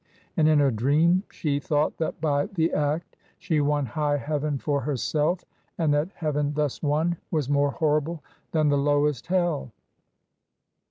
And in her dream she thought that by the act she won high heaven for herself; and that heaven thus won was more horrible than the lowest hell.